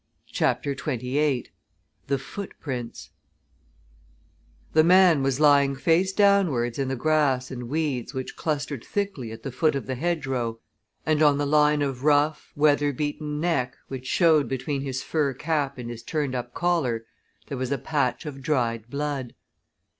CHAPTER XXVIII THE FOOTPRINTS The man was lying face downwards in the grass and weeds which clustered thickly at the foot of the hedgerow, and on the line of rough, weatherbeaten neck which showed between his fur cap and his turned up collar there was a patch of dried blood.